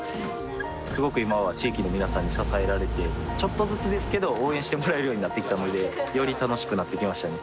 すごく今は地域の皆さんに支えられてちょっとずつですけど応援してもらえるようになってきたのでより楽しくなってきましたね